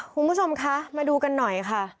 คุณผู้ชมคะมาดูกันหน่อยค่ะ